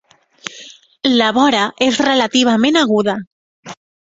La vora és relativament aguda.